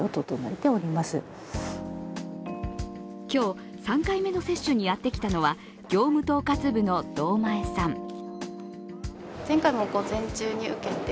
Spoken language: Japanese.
今日、３回目の接種にやってきたのは業務統括部の道前さん。